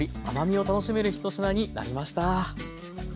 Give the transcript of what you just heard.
甘みを楽しめる一品になりました。